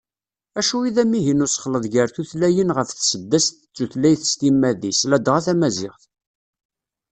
Acu i d amihi n usexleḍ gar tutlayin ɣef tseddast d tutlayt s timmad-is, ladɣa tamaziɣt?